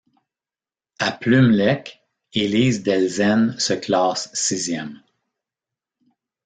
À Plumelec, Élise Delzenne se classe sixième.